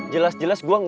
jelas jelas gue gak salah